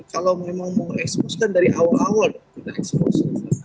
kalau memang mau ekspos kan dari awal awal kita ekspos